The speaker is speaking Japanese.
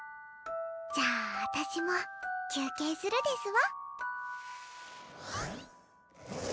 じゃあ私も休憩するですわ。